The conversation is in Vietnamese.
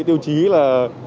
tiêu chí là